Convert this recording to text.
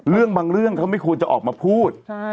เรื่องบางเรื่องเขาไม่ควรจะออกมาพูด